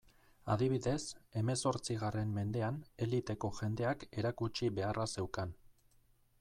Adibidez, hemezortzigarren mendean, eliteko jendeak erakutsi beharra zeukan.